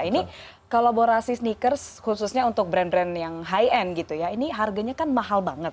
ini kolaborasi sneakers khususnya untuk brand brand yang high end gitu ya ini harganya kan mahal banget